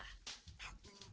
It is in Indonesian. tak minta makan